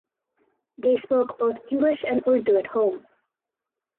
They spoke both English and Urdu at home.